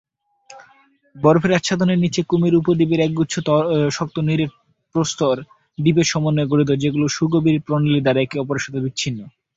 বরফের আচ্ছাদনের নিচে কুমেরু উপদ্বীপ একগুচ্ছ শক্ত নিরেট প্রস্তর দ্বীপের সমন্বয়ে গঠিত; যেগুলো সুগভীর প্রণালী দ্বারা একে অপর থেকে বিচ্ছিন্ন।